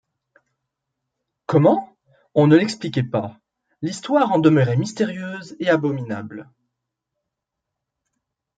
Comment? on ne l’expliquait pas, l’histoire en demeurait mystérieuse et abominable.